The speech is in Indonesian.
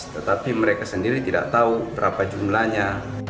tetapi mereka sendiri tidak tahu berapa jumlahnya